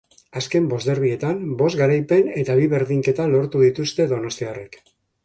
Azken bost derbietan, bost garaipen eta bi berdinketa lortu dituzte donostiarrek.